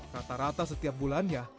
rata rata setiap bulannya